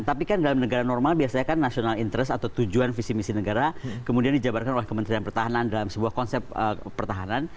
tapi kan dalam negara normal biasanya kan national interest atau tujuan visi misi negara kemudian dijabarkan oleh kementerian pertahanan dalam sebuah konsep pertahanan